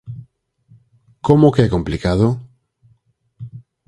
Como que é complicado?